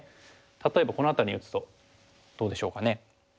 例えばこの辺りに打つとどうでしょうかね。